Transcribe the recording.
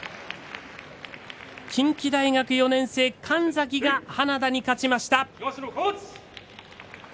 近畿大学４年生の神崎が花田に勝ちました。